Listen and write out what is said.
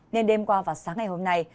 nên đêm qua và sáng ngày hôm nay